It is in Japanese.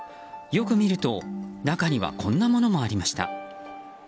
よく見ると中にはこんなものもありました。